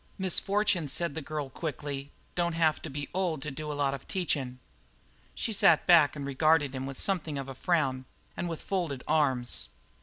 "Misfortune," said the girl quickly, "don't have to be old to do a lot of teachin'." She sat back and regarded him with something of a frown and with folded arms.